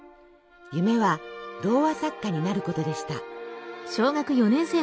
夢は童話作家になることでした。